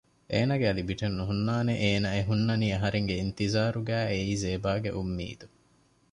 އޭނަގެ އަދި ބިޓެއް ނުހުންނާނެއޭނަ އެހުންނަނީ އަހަރެންގެ އިންތިޒާރުގައި އެއީ ޒޭބާގެ އުންމީދު